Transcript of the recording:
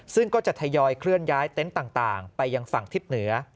ซึ่งก็จะทยอยเคลื่อนย้ายเต็นต์ต่างไปยังฝั่งทิศเหนือ